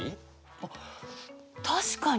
あっ確かに。